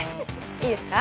いいですか？